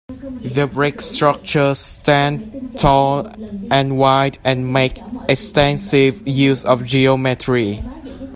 The brick structures stand tall and wide, and make extensive use of geometry.